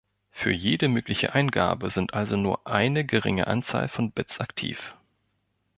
Für jede mögliche Eingabe sind also nur eine geringe Anzahl von Bits aktiv.